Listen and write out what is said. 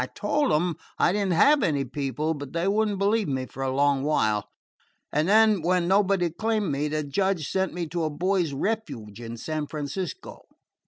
I told them I did n't have any people, but they would n't believe me for a long while. And then, when nobody claimed me, the judge sent me to a boys' 'refuge' in San Francisco."